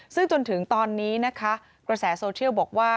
ซึ่งจนถึงตอนนี้นะคะกระแสโซเชียลบอกว่า